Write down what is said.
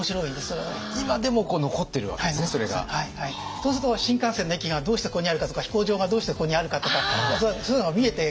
そうすると新幹線の駅がどうしてここにあるかとか飛行場がどうしてここにあるかとかそういうのが見えてきますよね。